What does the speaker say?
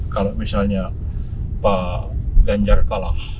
kalau misalnya pak ganjar kalah